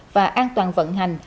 và an toàn vận hành